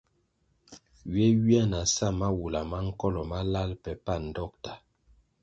Ywe ywia na sa mawula ma nkolo malal pe pan dokta.